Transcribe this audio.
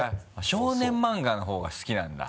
少年漫画の方が好きなんだ？